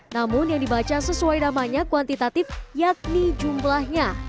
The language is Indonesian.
namun yang dibaca sesuai namanya kuantitatif yakni jumlahnya